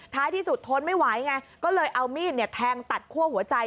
ที่สุดทนไม่ไหวไงก็เลยเอามีดแทงตัดคั่วหัวใจ